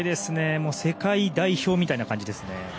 世界代表みたいな感じでしたね。